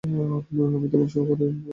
আমি তোমার সহকারী হয়ে গর্বিত।